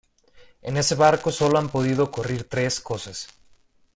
en ese barco solo han podido ocurrir tres cosas.